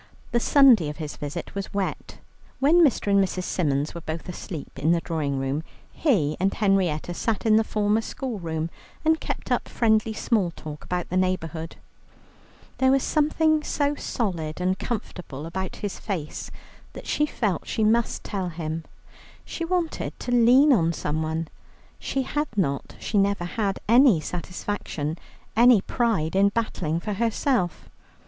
The Sunday of his visit was wet. When Mr. and Mrs. Symons were both asleep in the drawing room, he and Henrietta sat in the former school room, and kept up friendly small talk about the neighbourhood. There was something so solid and comfortable about his face that she felt she must tell him. She wanted to lean on someone; she had not, she never had, any satisfaction, any pride in battling for herself.